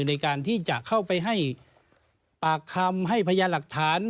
ในการที่จะเข้าไปให้ปากคำให้พยานหลักฐาน